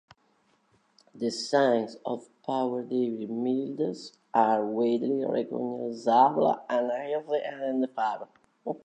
The signs of powdery mildews are widely recognizable and easily identifiable.